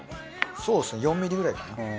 そうですね４ｍｍくらいかな。